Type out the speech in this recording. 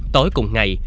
tối cùng ngày